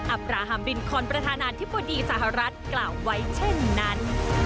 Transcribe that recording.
อปราฮามบินคอนประธานาธิบดีสหรัฐกล่าวไว้เช่นนั้น